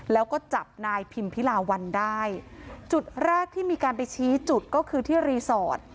แล้วก็จับนายพิมพิลาวันได้จุดแรกที่มีการไปชี้จุดก็คือที่รีสอร์ท